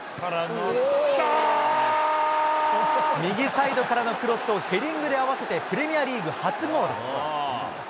右サイドからのクロスをヘディングで合わせて、プレミアリーグ初ゴール。